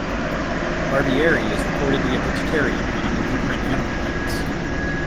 Barbieri is reportedly a vegetarian and a believer in animal rights.